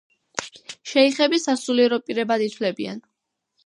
შეიხები სასულიერო პირებად ითვლებიან.